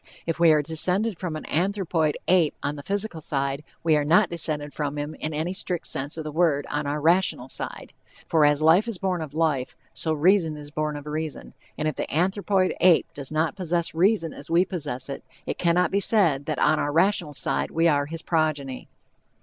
If we are descended from an anthropoid ape on the physical side, we are not descended from him in any strict sense of the word on our rational side; for as life is born of life, so reason is born of reason, and if the anthropoid ape does not possess reason as we possess it, it cannot be said that on our rational side we are his progeny.